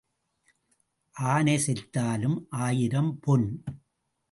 ஆனை செத்தாலும் ஆயிரம் பொன்.